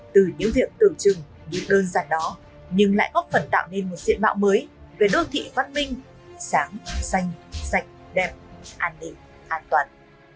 từ những việc tử trừng bước đơn giản đó nhưng lại góp phần tạo nên một diện mạo mới về đô thị văn minh sáng xanh sạch đẹp an định an toàn